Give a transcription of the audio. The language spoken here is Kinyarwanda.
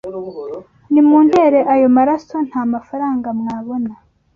nimuntere ayo maraso nta mafaranga mwabona